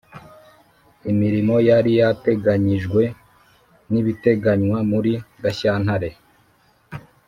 Imirimo yari yateganyijwe n ibiteganywa muri Gashyantare